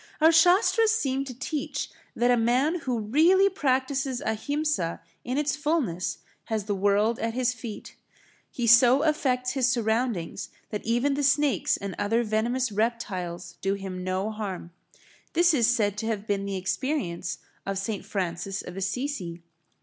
Our Shastras seem to teach that a man who really practises Ahimsa in its fulness has the world at his feet; he so affects his surroundings that even the snakes and other venomous reptiles do him no harm. This is said to have been the experience of St. Francis of Assisi.